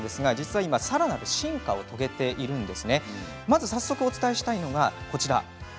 実はさらなる進化を遂げているんです。